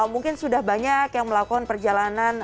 mungkin sudah banyak yang melakukan perjalanan